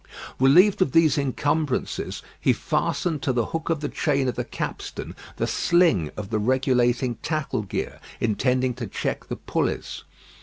Relieved of these encumbrances, he fastened to the hook of the chain of the capstan the sling of the regulating tackle gear, intending to check the pulleys.